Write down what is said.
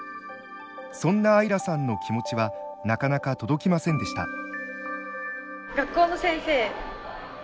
そんなアイラさんの気持ちはなかなか届きませんでした。